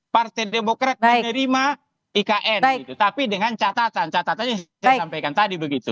partai demokrat menerima ikn tapi dengan catatan catatan yang saya sampaikan tadi begitu